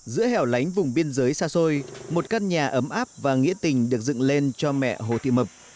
giữa hẻo lánh vùng biên giới xa xôi một căn nhà ấm áp và nghĩa tình được dựng lên cho mẹ hồ thị mật